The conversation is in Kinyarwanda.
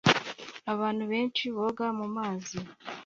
Abantu benshi boga mumazi